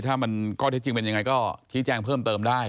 ถ้ามันข้อเท็จจริงเป็นยังไงก็ชี้แจ้งเพิ่มเติมได้